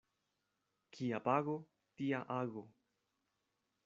Kia pago, tia ago.